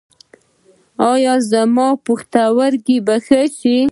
ایا زما پښتورګي به ښه شي؟